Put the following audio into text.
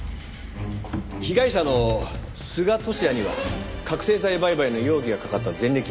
被害者の須賀都志也には覚醒剤売買の容疑がかかった前歴がありました。